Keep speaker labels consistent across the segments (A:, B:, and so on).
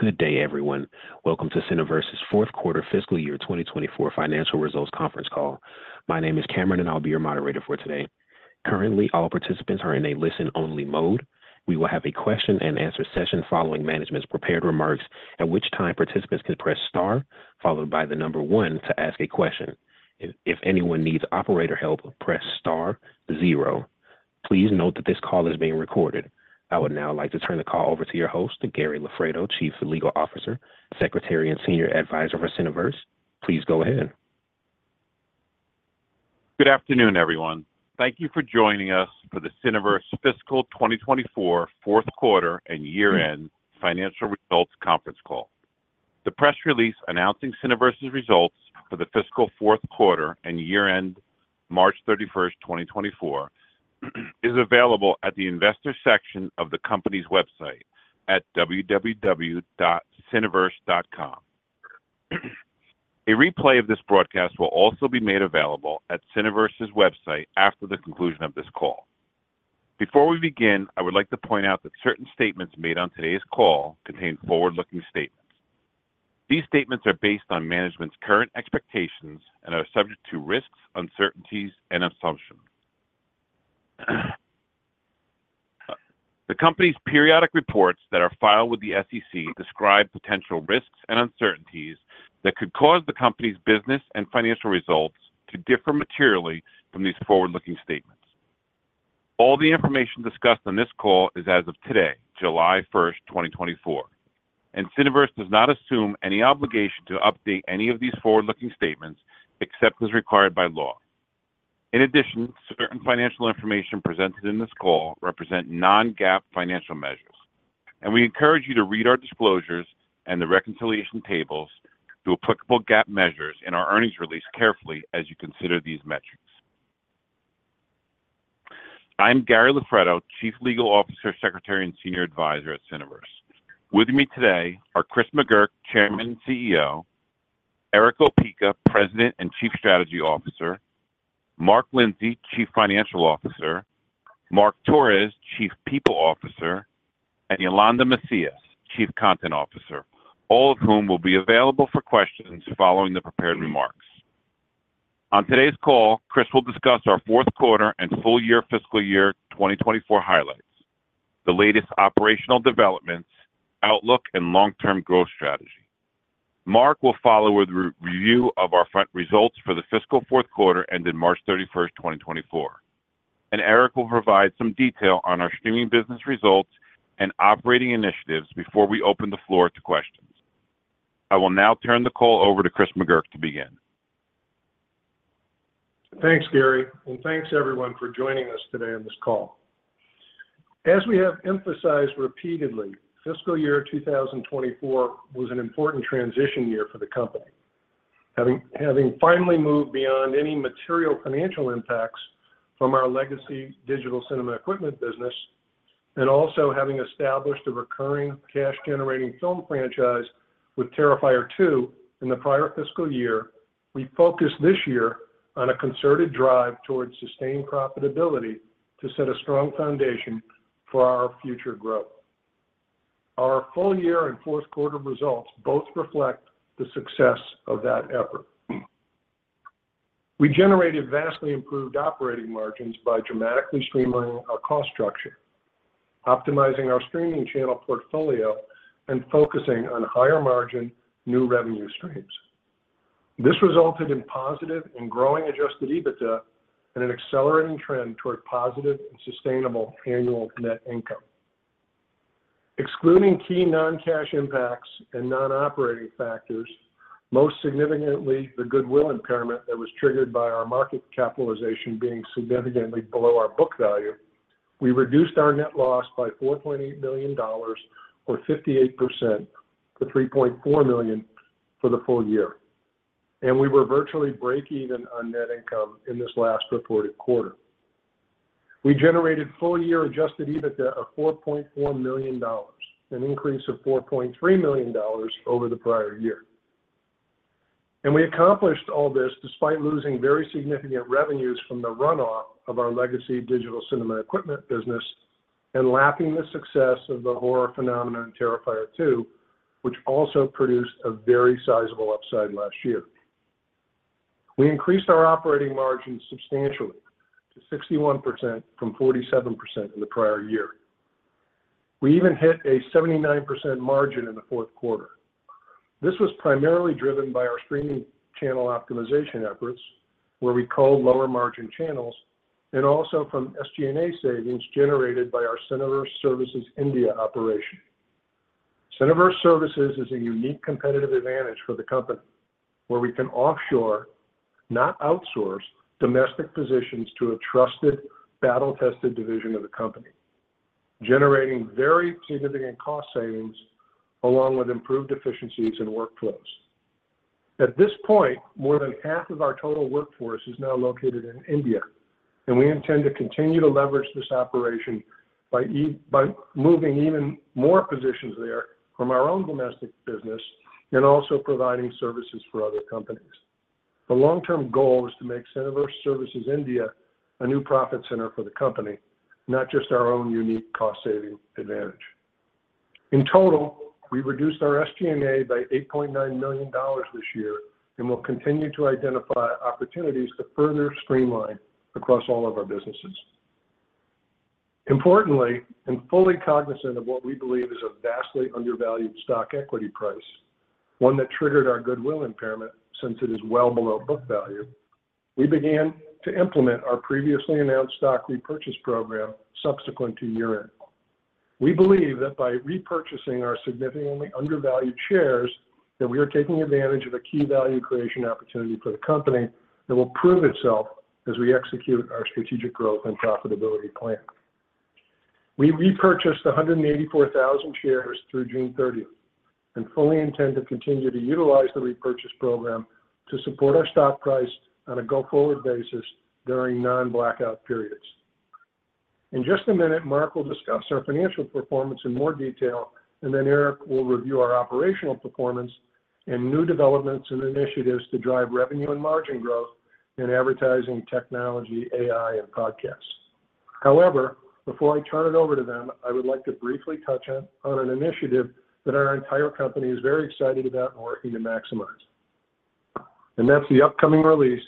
A: Good day, everyone. Welcome to Cineverse's fourth quarter fiscal year 2024 financial results conference call. My name is Cameron, and I'll be your moderator for today. Currently, all participants are in a listen-only mode. We will have a question-and-answer session following management's prepared remarks, at which time participants can press star, followed by the number 1 to ask a question. If anyone needs operator help, press star, 0. Please note that this call is being recorded. I would now like to turn the call over to your host, Gary Loffredo, Chief Legal Officer, Secretary and Senior Advisor for Cineverse. Please go ahead.
B: Good afternoon, everyone. Thank you for joining us for the Cineverse Fiscal 2024 Fourth Quarter and Year-End Financial Results Conference Call. The press release announcing Cineverse's results for the fiscal fourth quarter and year-end, March 31st, 2024, is available at the investor section of the company's website at www.cineverse.com. A replay of this broadcast will also be made available at Cineverse's website after the conclusion of this call. Before we begin, I would like to point out that certain statements made on today's call contain forward-looking statements. These statements are based on management's current expectations and are subject to risks, uncertainties, and assumptions. The company's periodic reports that are filed with the SEC describe potential risks and uncertainties that could cause the company's business and financial results to differ materially from these forward-looking statements. All the information discussed on this call is as of today, July 1st, 2024, and Cineverse does not assume any obligation to update any of these forward-looking statements except as required by law. In addition, certain financial information presented in this call represent non-GAAP financial measures, and we encourage you to read our disclosures and the reconciliation tables to applicable GAAP measures in our earnings release carefully as you consider these metrics. I'm Gary Loffredo, Chief Legal Officer, Secretary and Senior Advisor at Cineverse. With me today are Chris McGurk, Chairman and CEO; Erick Opeka, President and Chief Strategy Officer; Mark Lindsey, Chief Financial Officer; Mark Torres, Chief People Officer; and Yolanda Macias, Chief Content Officer, all of whom will be available for questions following the prepared remarks. On today's call, Chris will discuss our fourth quarter and full year fiscal year 2024 highlights, the latest operational developments, outlook, and long-term growth strategy. Mark will follow with a review of our results for the fiscal fourth quarter ended March 31st, 2024, and Erick will provide some detail on our streaming business results and operating initiatives before we open the floor to questions. I will now turn the call over to Chris McGurk to begin.
C: Thanks, Gary, and thanks, everyone, for joining us today on this call. As we have emphasized repeatedly, fiscal year 2024 was an important transition year for the company, having finally moved beyond any material financial impacts from our legacy digital cinema equipment business and also having established a recurring cash-generating film franchise with Terrifier 2 in the prior fiscal year. We focused this year on a concerted drive towards sustained profitability to set a strong foundation for our future growth. Our full year and fourth quarter results both reflect the success of that effort. We generated vastly improved operating margins by dramatically streamlining our cost structure, optimizing our streaming channel portfolio, and focusing on higher margin new revenue streams. This resulted in positive and growing adjusted EBITDA and an accelerating trend toward positive and sustainable annual net income. Excluding key non-cash impacts and non-operating factors, most significantly the goodwill impairment that was triggered by our market capitalization being significantly below our book value, we reduced our net loss by $4.8 million or 58% to $3.4 million for the full year, and we were virtually break-even on net income in this last reported quarter. We generated full year Adjusted EBITDA of $4.4 million, an increase of $4.3 million over the prior year. We accomplished all this despite losing very significant revenues from the runoff of our legacy digital cinema equipment business and lapping the success of the horror phenomenon Terrifier 2, which also produced a very sizable upside last year. We increased our operating margins substantially to 61% from 47% in the prior year. We even hit a 79% margin in the fourth quarter. This was primarily driven by our streaming channel optimization efforts, where we closed lower margin channels, and also from SG&A savings generated by our Cineverse Services India operation. Cineverse Services is a unique competitive advantage for the company, where we can offshore, not outsource, domestic positions to a trusted, battle-tested division of the company, generating very significant cost savings along with improved efficiencies and workflows. At this point, more than half of our total workforce is now located in India, and we intend to continue to leverage this operation by moving even more positions there from our own domestic business and also providing services for other companies. The long-term goal is to make Cineverse Services India a new profit center for the company, not just our own unique cost-saving advantage. In total, we reduced our SG&A by $8.9 million this year and will continue to identify opportunities to further streamline across all of our businesses. Importantly, and fully cognizant of what we believe is a vastly undervalued stock equity price, one that triggered our goodwill impairment since it is well below book value, we began to implement our previously announced stock repurchase program subsequent to year-end. We believe that by repurchasing our significantly undervalued shares, that we are taking advantage of a key value creation opportunity for the company that will prove itself as we execute our strategic growth and profitability plan. We repurchased 184,000 shares through June 30th and fully intend to continue to utilize the repurchase program to support our stock price on a go-forward basis during non-blackout periods. In just a minute, Mark will discuss our financial performance in more detail, and then Erick will review our operational performance and new developments and initiatives to drive revenue and margin growth in advertising, technology, AI, and podcasts. However, before I turn it over to them, I would like to briefly touch on an initiative that our entire company is very excited about and working to maximize, and that's the upcoming release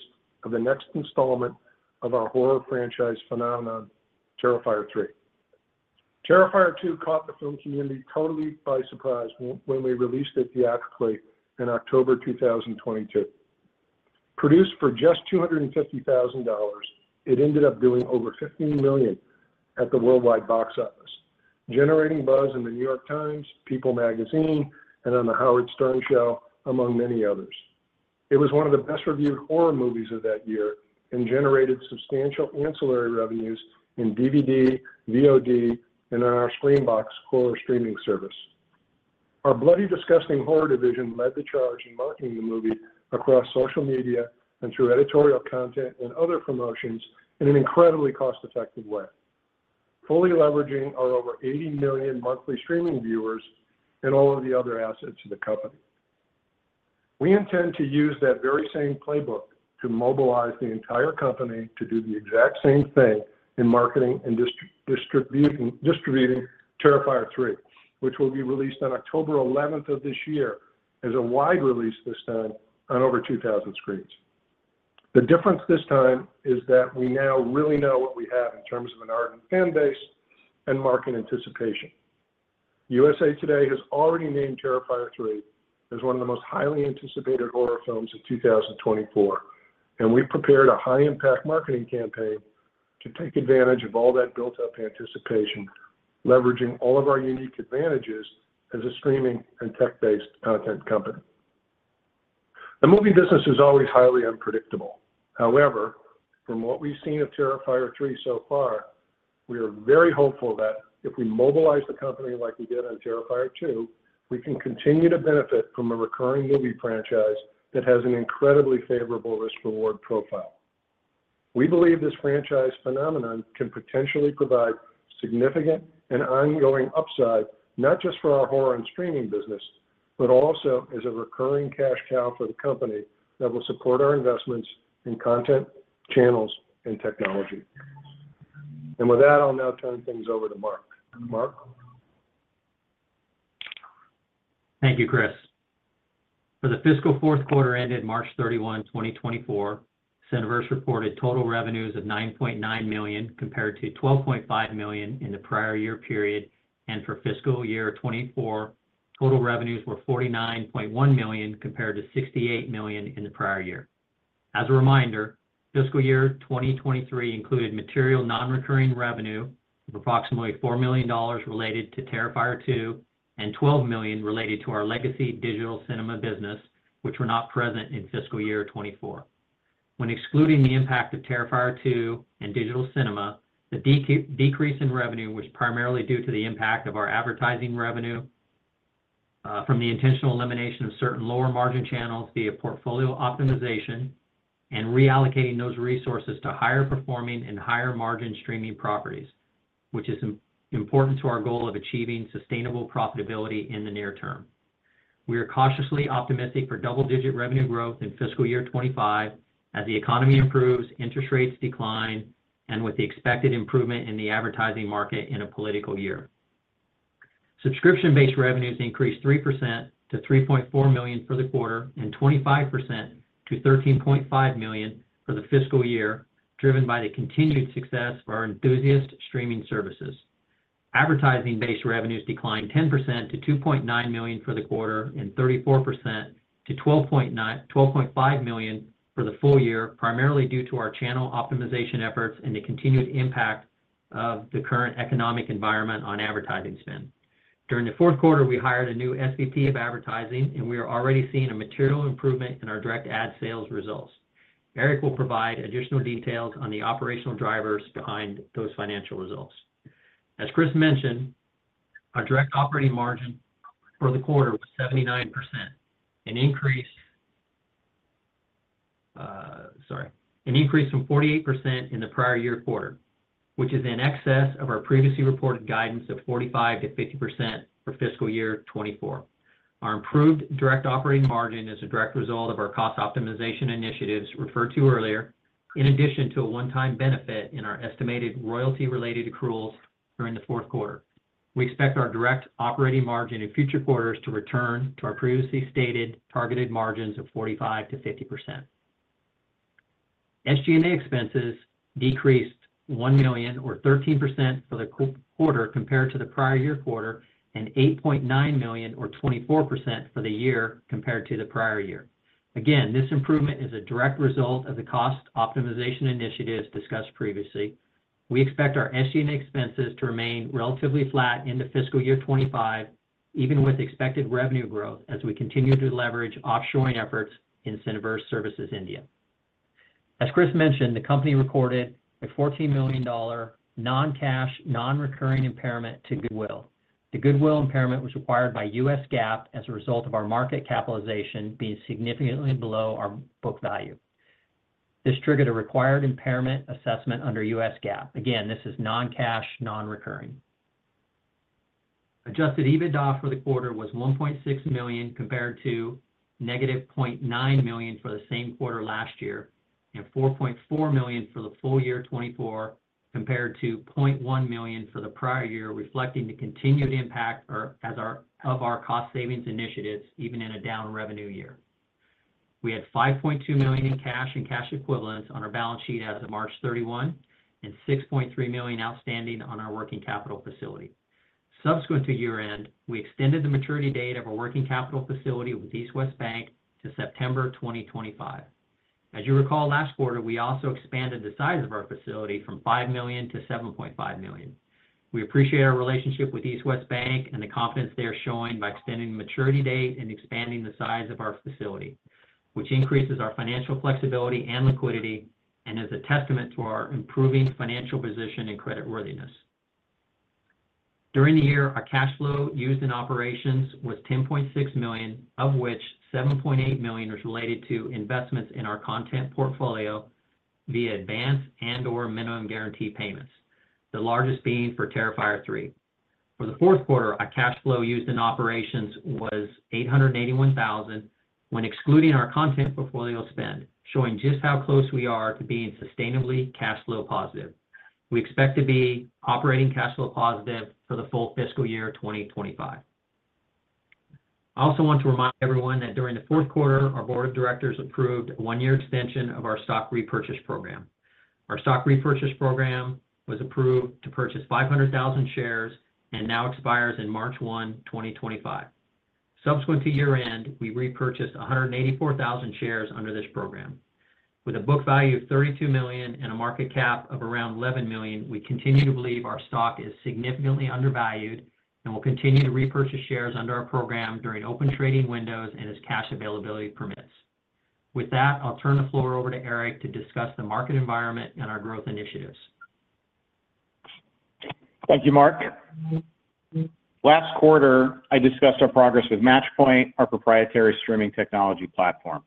C: of the next installment of our horror franchise phenomenon, Terrifier 3. Terrifier 2 caught the film community totally by surprise when we released it theatrically in October 2022. Produced for just $250,000, it ended up doing over $15 million at the worldwide box office, generating buzz in The New York Times, People Magazine, and on The Howard Stern Show, among many others. It was one of the best-reviewed horror movies of that year and generated substantial ancillary revenues in DVD, VOD, and on our SCREAMBOX horror streaming service. Our Bloody Disgusting horror division led the charge in marketing the movie across social media and through editorial content and other promotions in an incredibly cost-effective way, fully leveraging our over 80 million monthly streaming viewers and all of the other assets of the company. We intend to use that very same playbook to mobilize the entire company to do the exact same thing in marketing and distributing Terrifier 3, which will be released on October 11th of this year as a wide release this time on over 2,000 screens. The difference this time is that we now really know what we have in terms of an ardent fan base and market anticipation. USA Today has already named Terrifier 3 as one of the most highly anticipated horror films of 2024, and we've prepared a high-impact marketing campaign to take advantage of all that built-up anticipation, leveraging all of our unique advantages as a streaming and tech-based content company. The movie business is always highly unpredictable. However, from what we've seen of Terrifier 3 so far, we are very hopeful that if we mobilize the company like we did on Terrifier 2, we can continue to benefit from a recurring movie franchise that has an incredibly favorable risk-reward profile. We believe this franchise phenomenon can potentially provide significant and ongoing upside, not just for our horror and streaming business, but also as a recurring cash cow for the company that will support our investments in content, channels, and technology. And with that, I'll now turn things over to Mark. Mark.
D: Thank you, Chris. For the fiscal fourth quarter ended March 31, 2024, Cineverse reported total revenues of $9.9 million compared to $12.5 million in the prior year period, and for fiscal year 2024, total revenues were $49.1 million compared to $68 million in the prior year. As a reminder, fiscal year 2023 included material non-recurring revenue of approximately $4 million related to Terrifier 2 and $12 million related to our legacy digital cinema business, which were not present in fiscal year 2024. When excluding the impact of Terrifier 2 and digital cinema, the decrease in revenue was primarily due to the impact of our advertising revenue from the intentional elimination of certain lower margin channels via portfolio optimization and reallocating those resources to higher-performing and higher-margin streaming properties, which is important to our goal of achieving sustainable profitability in the near term. We are cautiously optimistic for double-digit revenue growth in fiscal year 2025 as the economy improves, interest rates decline, and with the expected improvement in the advertising market in a political year. Subscription-based revenues increased 3% to $3.4 million for the quarter and 25% to $13.5 million for the fiscal year, driven by the continued success for our enthusiast streaming services. Advertising-based revenues declined 10% to $2.9 million for the quarter and 34% to $12.5 million for the full year, primarily due to our channel optimization efforts and the continued impact of the current economic environment on advertising spend. During the fourth quarter, we hired a new SVP of advertising, and we are already seeing a material improvement in our direct ad sales results. Erick will provide additional details on the operational drivers behind those financial results. As Chris mentioned, our direct operating margin for the quarter was 79%, an increase from 48% in the prior year quarter, which is in excess of our previously reported guidance of 45%-50% for fiscal year 2024. Our improved direct operating margin is a direct result of our cost optimization initiatives referred to earlier, in addition to a one-time benefit in our estimated royalty-related accruals during the fourth quarter. We expect our direct operating margin in future quarters to return to our previously stated targeted margins of 45%-50%. SG&A expenses decreased $1 million, or 13%, for the quarter compared to the prior year quarter and $8.9 million, or 24%, for the year compared to the prior year. Again, this improvement is a direct result of the cost optimization initiatives discussed previously. We expect our SG&A expenses to remain relatively flat into fiscal year 2025, even with expected revenue growth as we continue to leverage offshoring efforts in Cineverse Services India. As Chris mentioned, the company reported a $14 million non-cash non-recurring impairment to goodwill. The goodwill impairment was required by U.S. GAAP as a result of our market capitalization being significantly below our book value. This triggered a required impairment assessment under U.S. GAAP. Again, this is non-cash non-recurring. Adjusted EBITDA for the quarter was $1.6 million compared to negative $0.9 million for the same quarter last year and $4.4 million for the full year 2024 compared to $0.1 million for the prior year, reflecting the continued impact of our cost savings initiatives even in a down revenue year. We had $5.2 million in cash and cash equivalents on our balance sheet as of March 31, 2024 and $6.3 million outstanding on our working capital facility. Subsequent to year-end, we extended the maturity date of our working capital facility with East West Bank to September 2025. As you recall, last quarter, we also expanded the size of our facility from $5 million to $7.5 million. We appreciate our relationship with East West Bank and the confidence they're showing by extending the maturity date and expanding the size of our facility, which increases our financial flexibility and liquidity and is a testament to our improving financial position and creditworthiness. During the year, our cash flow used in operations was $10.6 million, of which $7.8 million was related to investments in our content portfolio via advance and/or minimum guarantee payments, the largest being for Terrifier 3. For the fourth quarter, our cash flow used in operations was $881,000 when excluding our content portfolio spend, showing just how close we are to being sustainably cash flow positive. We expect to be operating cash flow positive for the full fiscal year 2025. I also want to remind everyone that during the fourth quarter, our board of directors approved a one-year extension of our stock repurchase program. Our stock repurchase program was approved to purchase 500,000 shares and now expires on March 1, 2025. Subsequent to year-end, we repurchased 184,000 shares under this program. With a book value of $32 million and a market cap of around $11 million, we continue to believe our stock is significantly undervalued and will continue to repurchase shares under our program during open trading windows and as cash availability permits. With that, I'll turn the floor over to Erick to discuss the market environment and our growth initiatives.
E: Thank you, Mark. Last quarter, I discussed our progress with Matchpoint, our proprietary streaming technology platform.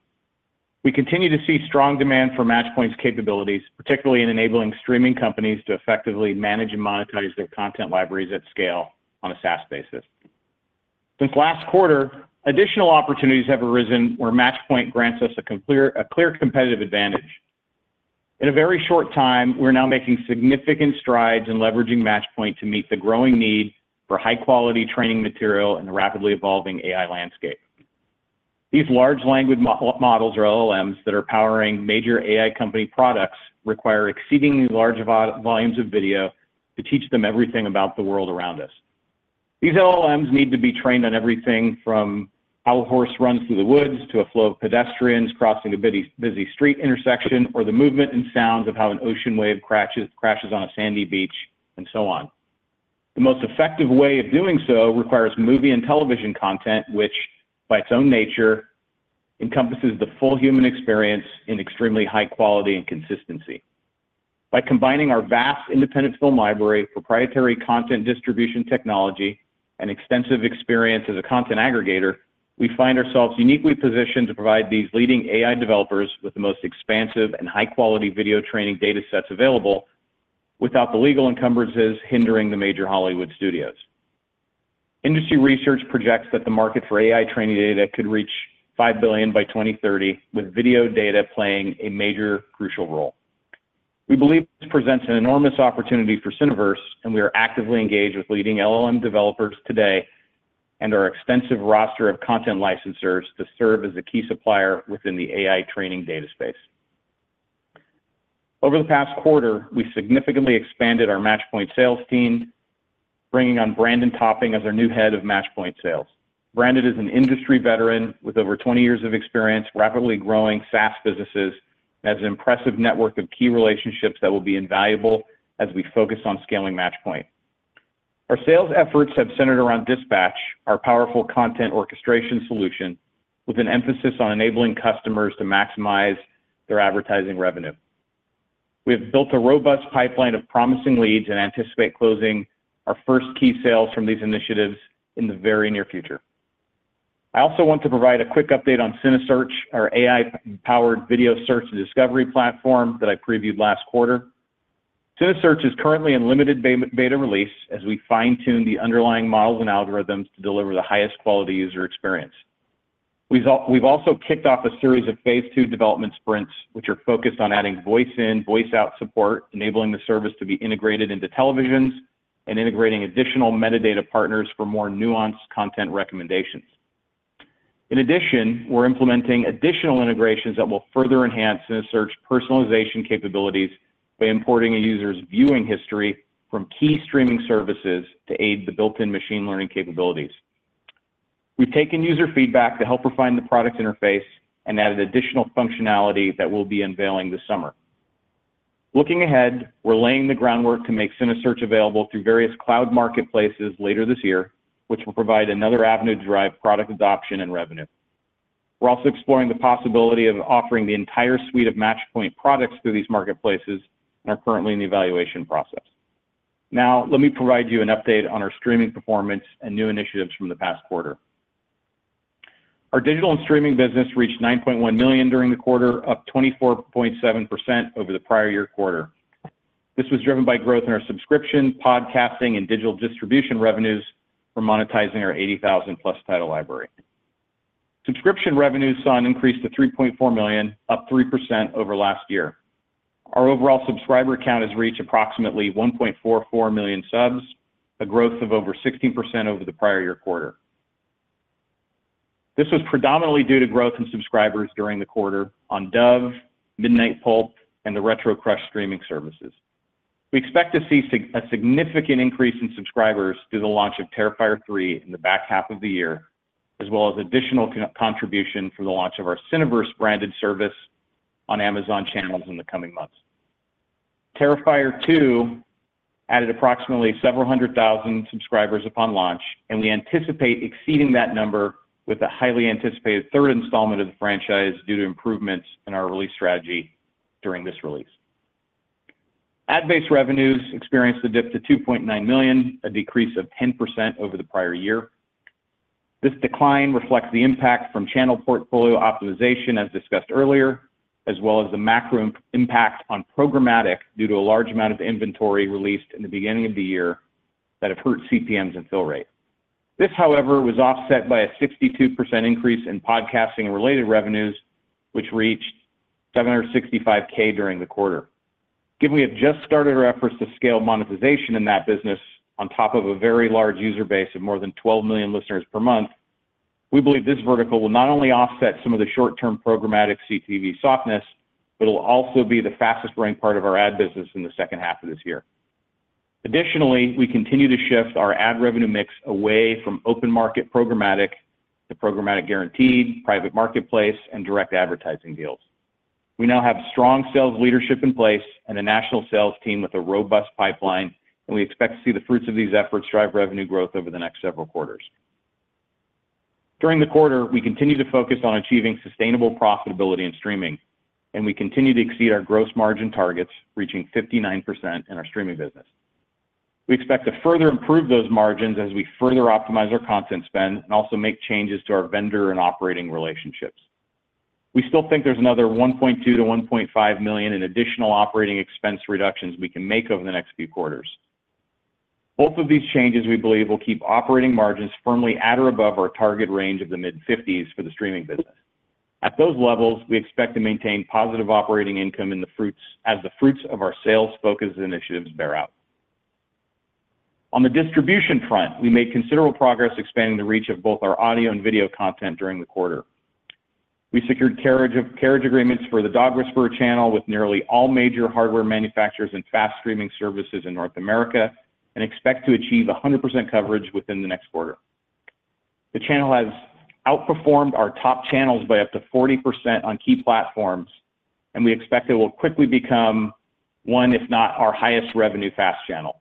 E: We continue to see strong demand for Matchpoint's capabilities, particularly in enabling streaming companies to effectively manage and monetize their content libraries at scale on a SaaS basis. Since last quarter, additional opportunities have arisen where Matchpoint grants us a clear competitive advantage. In a very short time, we're now making significant strides in leveraging Matchpoint to meet the growing need for high-quality training material in the rapidly evolving AI landscape. These large language models or LLMs that are powering major AI company products require exceedingly large volumes of video to teach them everything about the world around us. These LLMs need to be trained on everything from how a horse runs through the woods to a flow of pedestrians crossing a busy street intersection or the movement and sounds of how an ocean wave crashes on a sandy beach and so on. The most effective way of doing so requires movie and television content, which, by its own nature, encompasses the full human experience in extremely high quality and consistency. By combining our vast independent film library, proprietary content distribution technology, and extensive experience as a content aggregator, we find ourselves uniquely positioned to provide these leading AI developers with the most expansive and high-quality video training data sets available without the legal encumbrances hindering the major Hollywood studios. Industry research projects that the market for AI training data could reach $5 billion by 2030, with video data playing a major crucial role. We believe this presents an enormous opportunity for Cineverse, and we are actively engaged with leading LLM developers today and our extensive roster of content licensors to serve as a key supplier within the AI training data space. Over the past quarter, we significantly expanded our Matchpoint sales team, bringing on Brandon Topping as our new head of Matchpoint sales. Brandon is an industry veteran with over 20 years of experience rapidly growing SaaS businesses and has an impressive network of key relationships that will be invaluable as we focus on scaling Matchpoint. Our sales efforts have centered around Dispatch, our powerful content orchestration solution, with an emphasis on enabling customers to maximize their advertising revenue. We have built a robust pipeline of promising leads and anticipate closing our first key sales from these initiatives in the very near future. I also want to provide a quick update on cineSearch, our AI-powered video search and discovery platform that I previewed last quarter. cineSearch is currently in limited beta release as we fine-tune the underlying models and algorithms to deliver the highest quality user experience. We've also kicked off a series of phase two development sprints, which are focused on adding voice-in and voice-out support, enabling the service to be integrated into televisions and integrating additional metadata partners for more nuanced content recommendations. In addition, we're implementing additional integrations that will further enhance cineSearch's personalization capabilities by importing a user's viewing history from key streaming services to aid the built-in machine learning capabilities. We've taken user feedback to help refine the product interface and added additional functionality that we'll be unveiling this summer. Looking ahead, we're laying the groundwork to make cineSearch available through various cloud marketplaces later this year, which will provide another avenue to drive product adoption and revenue. We're also exploring the possibility of offering the entire suite of Matchpoint products through these marketplaces and are currently in the evaluation process. Now, let me provide you an update on our streaming performance and new initiatives from the past quarter. Our digital and streaming business reached $9.1 million during the quarter, up 24.7% over the prior year quarter. This was driven by growth in our subscription, podcasting, and digital distribution revenues for monetizing our 80,000-plus title library. Subscription revenues saw an increase to $3.4 million, up 3% over last year. Our overall subscriber count has reached approximately 1.44 million subs, a growth of over 16% over the prior year quarter. This was predominantly due to growth in subscribers during the quarter on Dove, Midnight Pulp, and the RetroCrush streaming services. We expect to see a significant increase in subscribers through the launch of Terrifier 3 in the back half of the year, as well as additional contribution for the launch of our Cineverse branded service on Amazon channels in the coming months. Terrifier 2 added approximately several hundred thousand subscribers upon launch, and we anticipate exceeding that number with a highly anticipated third installment of the franchise due to improvements in our release strategy during this release. Ad-based revenues experienced a dip to $2.9 million, a decrease of 10% over the prior year. This decline reflects the impact from channel portfolio optimization, as discussed earlier, as well as the macro impact on programmatic due to a large amount of inventory released in the beginning of the year that have hurt CPMs and fill rate. This, however, was offset by a 62% increase in podcasting-related revenues, which reached $765,000 during the quarter. Given we have just started our efforts to scale monetization in that business on top of a very large user base of more than 12 million listeners per month, we believe this vertical will not only offset some of the short-term programmatic CPV softness, but it'll also be the fastest-growing part of our ad business in the second half of this year. Additionally, we continue to shift our ad revenue mix away from open market programmatic to programmatic guaranteed, private marketplace, and direct advertising deals. We now have strong sales leadership in place and a national sales team with a robust pipeline, and we expect to see the fruits of these efforts drive revenue growth over the next several quarters. During the quarter, we continue to focus on achieving sustainable profitability in streaming, and we continue to exceed our gross margin targets, reaching 59% in our streaming business. We expect to further improve those margins as we further optimize our content spend and also make changes to our vendor and operating relationships. We still think there's another $1.2-$1.5 million in additional operating expense reductions we can make over the next few quarters. Both of these changes, we believe, will keep operating margins firmly at or above our target range of the mid-50s for the streaming business. At those levels, we expect to maintain positive operating income as the fruits of our sales-focused initiatives bear out. On the distribution front, we made considerable progress expanding the reach of both our audio and video content during the quarter. We secured carriage agreements for the Dog Whisperer channel with nearly all major hardware manufacturers and FAST streaming services in North America and expect to achieve 100% coverage within the next quarter. The channel has outperformed our top channels by up to 40% on key platforms, and we expect it will quickly become one, if not our highest revenue FAST channel.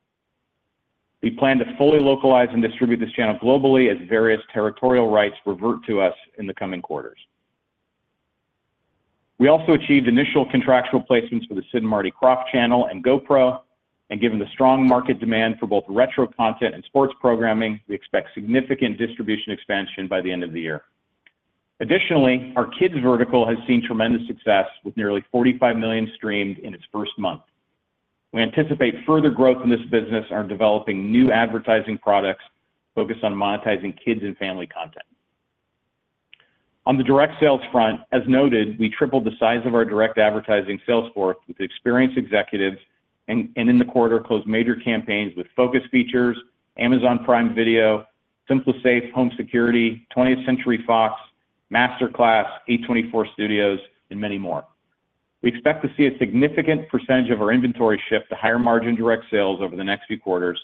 E: We plan to fully localize and distribute this channel globally as various territorial rights revert to us in the coming quarters. We also achieved initial contractual placements for the Sid & Marty Krofft Channel and GoPro, and given the strong market demand for both retro content and sports programming, we expect significant distribution expansion by the end of the year. Additionally, our kids vertical has seen tremendous success with nearly $45 million streamed in its first month. We anticipate further growth in this business and are developing new advertising products focused on monetizing kids and family content. On the direct sales front, as noted, we tripled the size of our direct advertising sales force with experienced executives and in the quarter closed major campaigns with Focus Features, Amazon Prime Video, SimpliSafe Home Security, 20th Century Fox, MasterClass, A24 Studios, and many more. We expect to see a significant percentage of our inventory shift to higher margin direct sales over the next few quarters,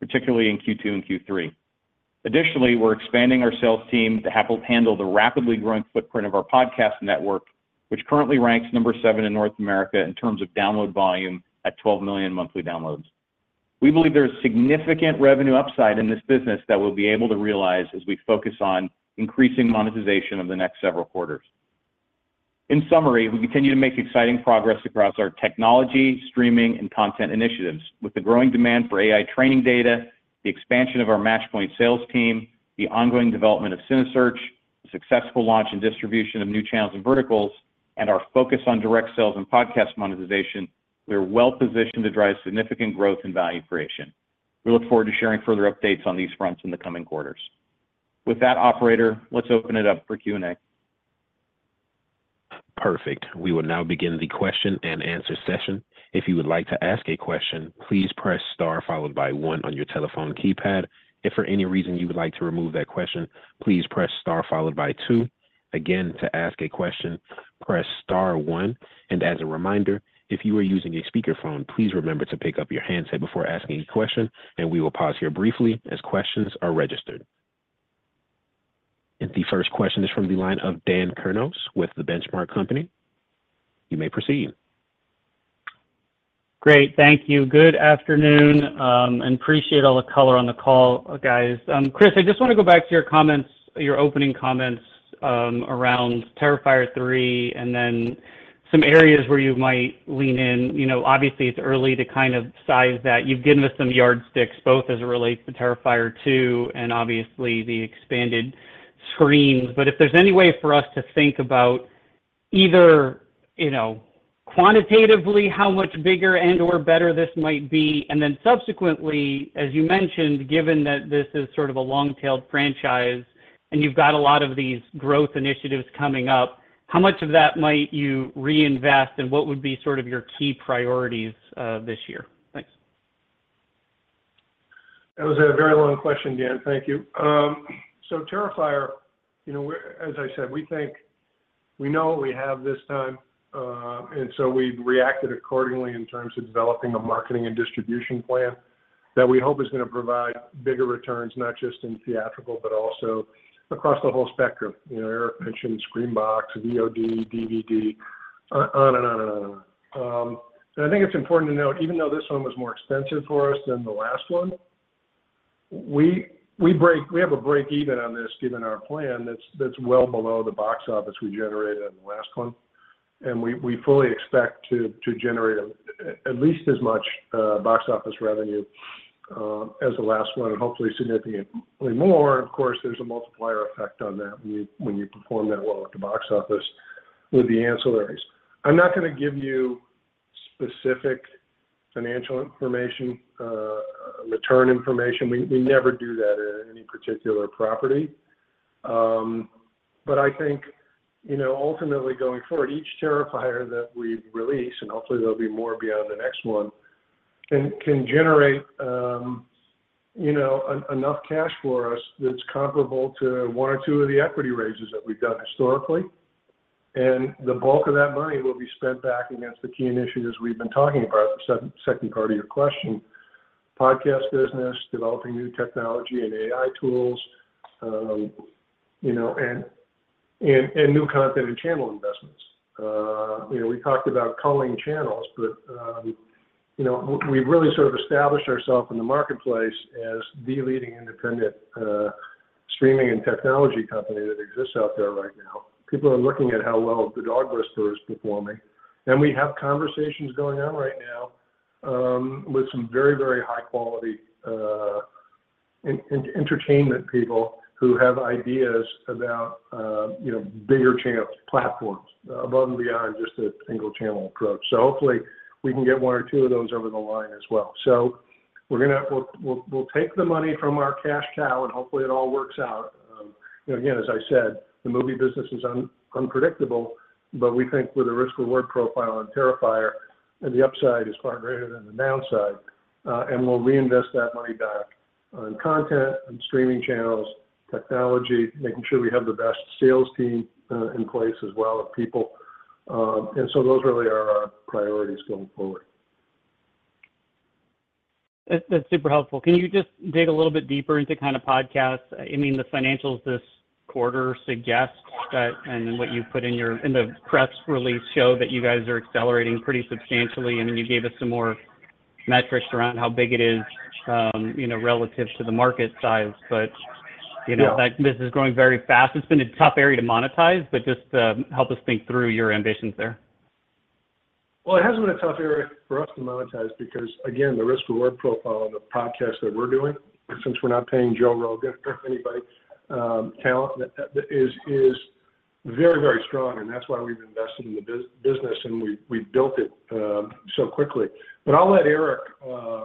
E: particularly in Q2 and Q3. Additionally, we're expanding our sales team to handle the rapidly growing footprint of our podcast network, which currently ranks number 7 in North America in terms of download volume at 12 million monthly downloads. We believe there is significant revenue upside in this business that we'll be able to realize as we focus on increasing monetization over the next several quarters. In summary, we continue to make exciting progress across our technology, streaming, and content initiatives. With the growing demand for AI training data, the expansion of our Matchpoint sales team, the ongoing development of cineSearch, the successful launch and distribution of new channels and verticals, and our focus on direct sales and podcast monetization, we are well positioned to drive significant growth and value creation. We look forward to sharing further updates on these fronts in the coming quarters. With that, operator, let's open it up for Q&A.
A: Perfect. We will now begin the question and answer session. If you would like to ask a question, please press star followed by one on your telephone keypad. If for any reason you would like to remove that question, please press star followed by two. Again, to ask a question, press star one. As a reminder, if you are using a speakerphone, please remember to pick up your handset before asking a question, and we will pause here briefly as questions are registered. The first question is from the line of Dan Kurnos with the Benchmark Company. You may proceed.
F: Great. Thank you. Good afternoon, and appreciate all the color on the call, guys. Chris, I just want to go back to your comments, your opening comments around Terrifier 3 and then some areas where you might lean in. Obviously, it's early to kind of size that. You've given us some yardsticks, both as it relates to Terrifier 2 and obviously the expanded screens. But if there's any way for us to think about either quantitatively how much bigger and/or better this might be, and then subsequently, as you mentioned, given that this is sort of a long-tailed franchise and you've got a lot of these growth initiatives coming up, how much of that might you reinvest and what would be sort of your key priorities this year? Thanks.
C: That was a very long question, Dan. Thank you. So Terrifier, as I said, we know what we have this time, and so we've reacted accordingly in terms of developing a marketing and distribution plan that we hope is going to provide bigger returns, not just in theatrical, but also across the whole spectrum. Erick mentioned SCREAMBOX, VOD, DVD, on and on and on and on. And I think it's important to note, even though this one was more expensive for us than the last one, we have a break-even on this given our plan that's well below the box office we generated on the last one. And we fully expect to generate at least as much box office revenue as the last one and hopefully significantly more. And of course, there's a multiplier effect on that when you perform that well at the box office with the ancillaries. I'm not going to give you specific financial information, return information. We never do that at any particular property. But I think ultimately going forward, each Terrifier that we release, and hopefully there'll be more beyond the next one, can generate enough cash for us that's comparable to one or two of the equity raises that we've done historically. And the bulk of that money will be spent back against the key initiatives we've been talking about, the second part of your question, podcast business, developing new technology and AI tools, and new content and channel investments. We talked about culling channels, but we've really sort of established ourselves in the marketplace as the leading independent streaming and technology company that exists out there right now. People are looking at how well The Dog Whisperer is performing. We have conversations going on right now with some very, very high-quality entertainment people who have ideas about bigger channel platforms above and beyond just a single-channel approach. So hopefully we can get one or two of those over the line as well. So we'll take the money from our cash cow, and hopefully it all works out. Again, as I said, the movie business is unpredictable, but we think with a risk-reward profile on Terrifier, the upside is far greater than the downside. And we'll reinvest that money back on content, on streaming channels, technology, making sure we have the best sales team in place as well of people. And so those really are our priorities going forward.
F: That's super helpful. Can you just dig a little bit deeper into kind of podcasts? I mean, the financials this quarter suggest that, and then what you put in the press release show that you guys are accelerating pretty substantially. You gave us some more metrics around how big it is relative to the market size. But this is growing very fast. It's been a tough area to monetize, but just help us think through your ambitions there.
C: Well, it has been a tough area for us to monetize because, again, the risk-reward profile of the podcast that we're doing, since we're not paying Joe Rogan or anybody talent, is very, very strong. And that's why we've invested in the business, and we've built it so quickly. But I'll let Erick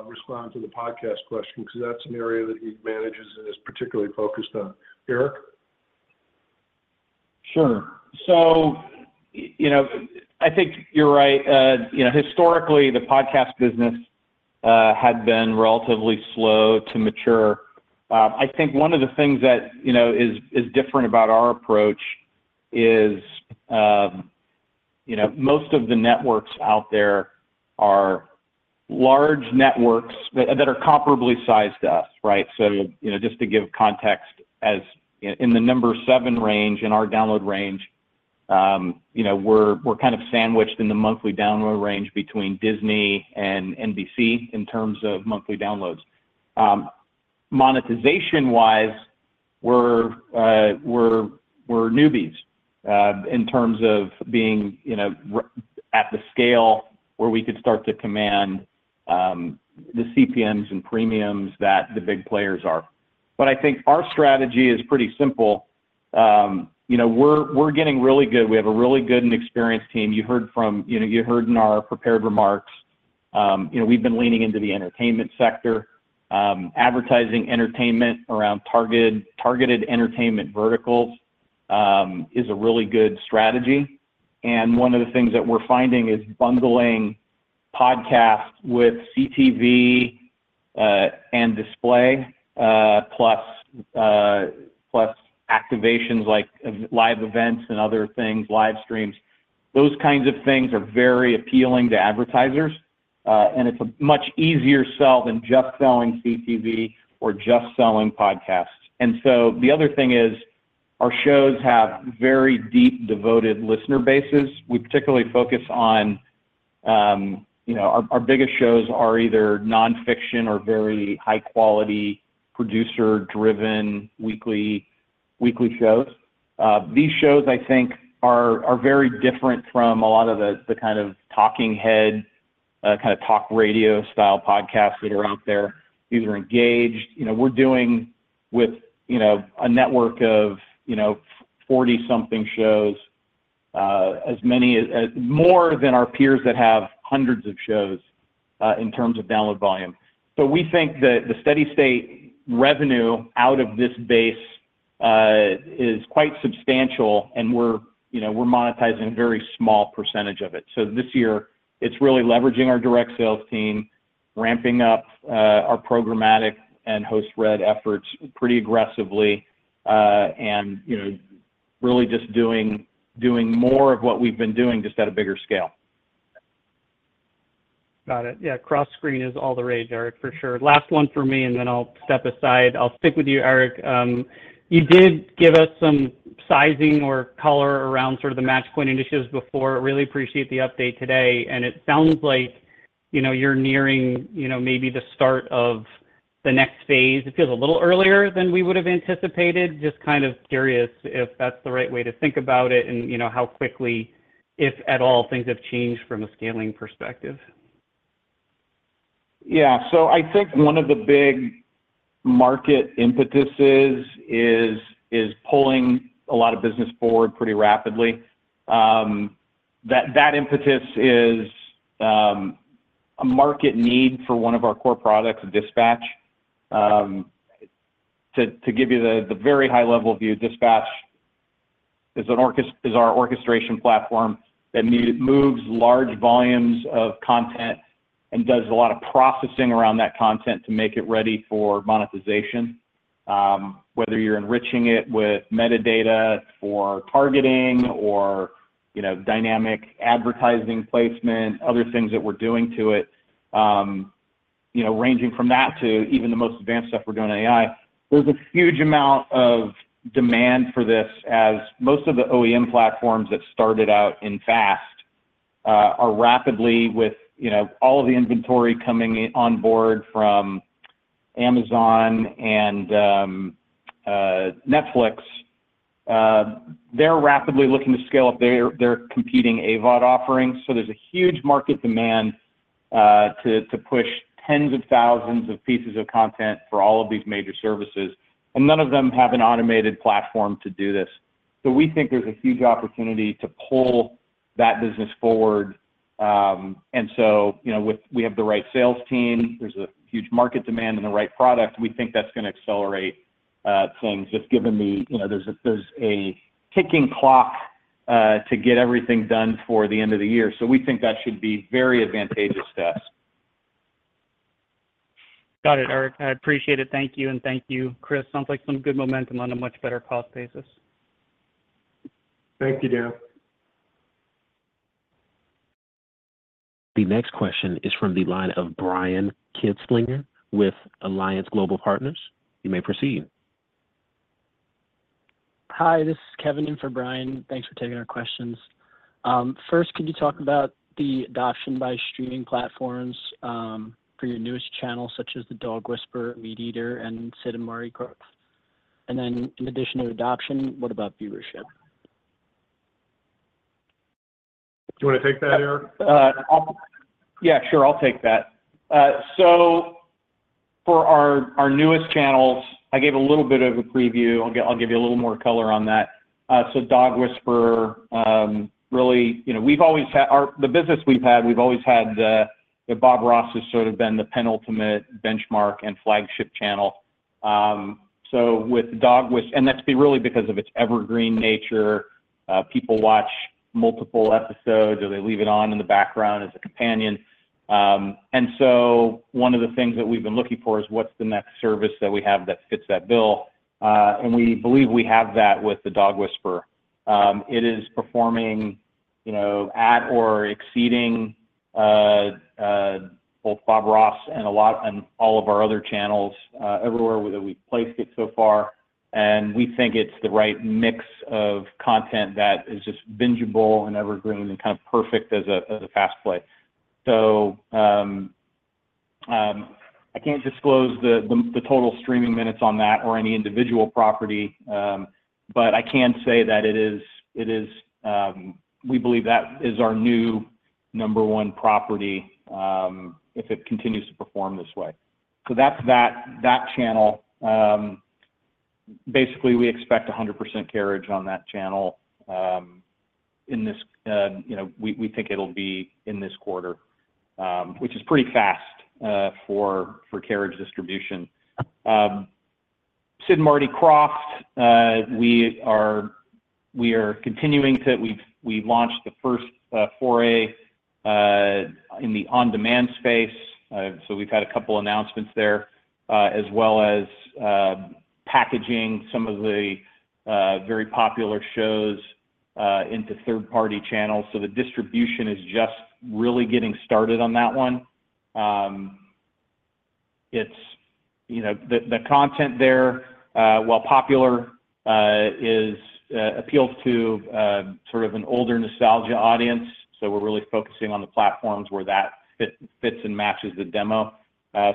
C: respond to the podcast question because that's an area that he manages and is particularly focused on. Erick?
E: Sure. So I think you're right. Historically, the podcast business had been relatively slow to mature. I think one of the things that is different about our approach is most of the networks out there are large networks that are comparably sized to us, right? So just to give context, in the number 7 range in our download range, we're kind of sandwiched in the monthly download range between Disney and NBC in terms of monthly downloads. Monetization-wise, we're newbies in terms of being at the scale where we could start to command the CPMs and premiums that the big players are. But I think our strategy is pretty simple. We're getting really good. We have a really good and experienced team. You heard in our prepared remarks, we've been leaning into the entertainment sector. Advertising entertainment around targeted entertainment verticals is a really good strategy. One of the things that we're finding is bundling podcasts with CTV and display, plus activations like live events and other things, live streams. Those kinds of things are very appealing to advertisers, and it's a much easier sell than just selling CTV or just selling podcasts. And so the other thing is our shows have very deep, devoted listener bases. We particularly focus on our biggest shows are either nonfiction or very high-quality producer-driven weekly shows. These shows, I think, are very different from a lot of the kind of talking head, kind of talk radio style podcasts that are out there. These are engaged. We're doing with a network of 40-something shows, more than our peers that have hundreds of shows in terms of download volume. So we think that the steady state revenue out of this base is quite substantial, and we're monetizing a very small percentage of it. So this year, it's really leveraging our direct sales team, ramping up our programmatic and host-read efforts pretty aggressively, and really just doing more of what we've been doing just at a bigger scale.
F: Got it. Yeah. Cross-screen is all the rage, Erick, for sure. Last one for me, and then I'll step aside. I'll stick with you, Erick. You did give us some sizing or color around sort of the Matchpoint initiatives before. Really appreciate the update today. And it sounds like you're nearing maybe the start of the next phase. It feels a little earlier than we would have anticipated. Just kind of curious if that's the right way to think about it and how quickly, if at all, things have changed from a scaling perspective?
E: Yeah. So I think one of the big market impetuses is pulling a lot of business forward pretty rapidly. That impetus is a market need for one of our core products, Dispatch. To give you the very high-level view, Dispatch is our orchestration platform that moves large volumes of content and does a lot of processing around that content to make it ready for monetization. Whether you're enriching it with metadata for targeting or dynamic advertising placement, other things that we're doing to it, ranging from that to even the most advanced stuff we're doing on AI, there's a huge amount of demand for this as most of the OEM platforms that started out in FAST are rapidly, with all of the inventory coming on board from Amazon and Netflix, they're rapidly looking to scale up their competing AVOD offerings. So there's a huge market demand to push tens of thousands of pieces of content for all of these major services. None of them have an automated platform to do this. So we think there's a huge opportunity to pull that business forward. So we have the right sales team. There's a huge market demand in the right product. We think that's going to accelerate things just given that there's a ticking clock to get everything done for the end of the year. So we think that should be very advantageous to us.
F: Got it, Erick. I appreciate it. Thank you. Thank you, Chris. Sounds like some good momentum on a much better cost basis.
C: Thank you, Dan.
A: The next question is from the line of Brian Kinstlinger with Alliance Global Partners. You may proceed.
G: Hi, this is Kevin in for Brian. Thanks for taking our questions. First, could you talk about the adoption by streaming platforms for your newest channels such as the Dog Whisperer, MeatEater, and Sid & Marty Krofft? And then in addition to adoption, what about viewership?
C: Do you want to take that, Erick?
E: Yeah, sure. I'll take that. So for our newest channels, I gave a little bit of a preview. I'll give you a little more color on that. So Dog Whisperer, really, we've always had the business we've had, we've always had the Bob Ross has sort of been the penultimate benchmark and flagship channel. So with Dog Whisperer, and that's really because of its evergreen nature. People watch multiple episodes, or they leave it on in the background as a companion. And so one of the things that we've been looking for is what's the next service that we have that fits that bill. And we believe we have that with the Dog Whisperer. It is performing at or exceeding both Bob Ross and all of our other channels everywhere that we've placed it so far. We think it's the right mix of content that is just bingeable and evergreen and kind of perfect as a fast play. So I can't disclose the total streaming minutes on that or any individual property, but I can say that it is we believe that is our new number one property if it continues to perform this way. So that's that channel. Basically, we expect 100% carriage on that channel in this we think it'll be in this quarter, which is pretty fast for carriage distribution. Sid & Marty Krofft, we are continuing to we've launched the first foray in the on-demand space. So we've had a couple of announcements there, as well as packaging some of the very popular shows into third-party channels. So the distribution is just really getting started on that one. The content there, while popular, appeals to sort of an older nostalgia audience. So we're really focusing on the platforms where that fits and matches the demo.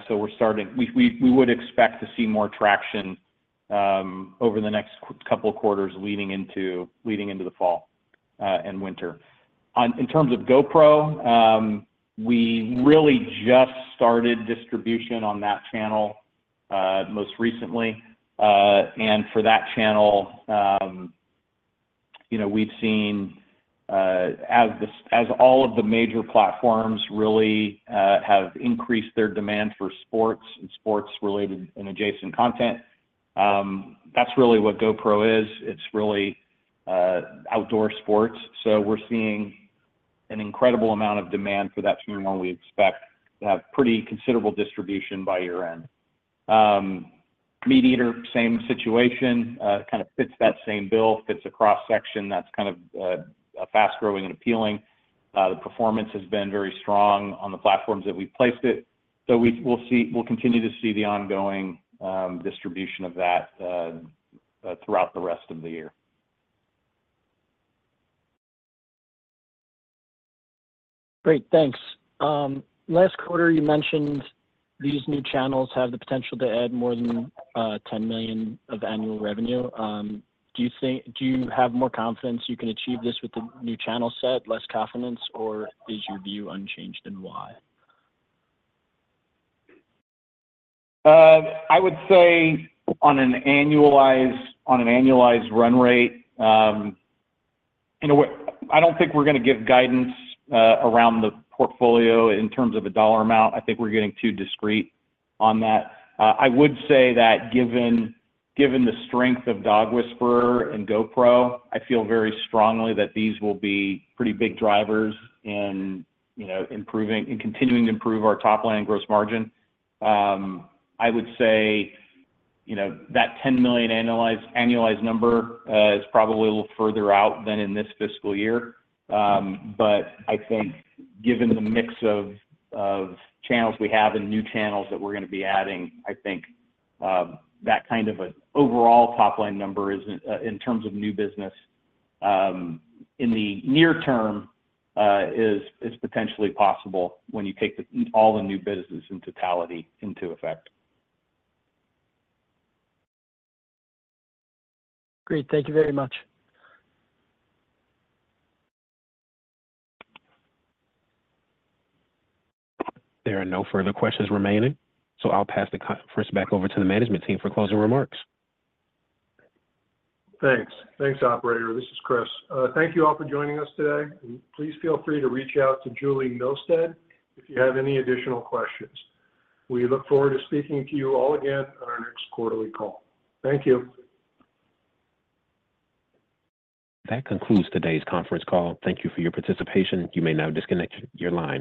E: So we would expect to see more traction over the next couple of quarters leading into the fall and winter. In terms of GoPro, we really just started distribution on that channel most recently. And for that channel, we've seen, as all of the major platforms really have increased their demand for sports and sports-related and adjacent content. That's really what GoPro is. It's really outdoor sports. So we're seeing an incredible amount of demand for that channel. We expect to have pretty considerable distribution by year-end. MeatEater, same situation, kind of fits that same bill, fits a cross-section that's kind of fast-growing and appealing. The performance has been very strong on the platforms that we've placed it. So we'll continue to see the ongoing distribution of that throughout the rest of the year.
G: Great. Thanks. Last quarter, you mentioned these new channels have the potential to add more than $10 million of annual revenue. Do you have more confidence you can achieve this with the new channel set, less confidence, or is your view unchanged and why?
E: I would say on an annualized run rate, I don't think we're going to give guidance around the portfolio in terms of the dollar amount. I think we're getting too discreet on that. I would say that given the strength of Dog Whisper and GoPro, I feel very strongly that these will be pretty big drivers in continuing to improve our top line gross margin. I would say that $10 million annualized number is probably a little further out than in this fiscal year. But I think given the mix of channels we have and new channels that we're going to be adding, I think that kind of an overall top-line number in terms of new business in the near term is potentially possible when you take all the new business in totality into effect.
G: Great. Thank you very much.
A: There are no further questions remaining. So I'll pass the first back over to the management team for closing remarks.
C: Thanks. Thanks, operator. This is Chris. Thank you all for joining us today. Please feel free to reach out to Julie Milstead if you have any additional questions. We look forward to speaking to you all again on our next quarterly call. Thank you.
A: That concludes today's conference call. Thank you for your participation. You may now disconnect your line.